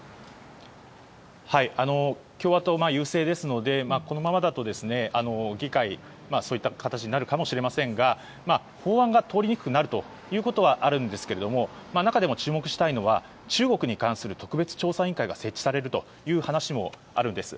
共和党は優勢ですのでこのままだと議会がそういった形になるかもしれませんが法案が通りにくくなるということはあるんですが中でも注目したいのが中国に関する特別調査委員会が設置される話もあるんです。